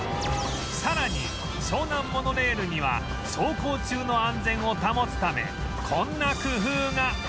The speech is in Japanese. さらに湘南モノレールには走行中の安全を保つためこんな工夫が！